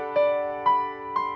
sampai jumpa lagi